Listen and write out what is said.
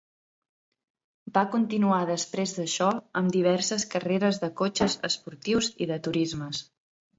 Va continuar després d'això amb diverses carreres de cotxes esportius i de turismes.